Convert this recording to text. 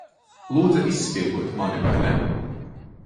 Lūdza izspiegot mani, vai ne?